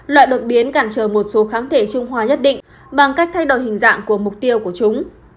loại đột biến cản trở một số kháng thể trung hoa nhất định bằng cách thay đổi hình dạng của mục tiêu của chúng